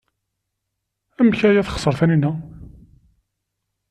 Amek ay texṣer Taninna?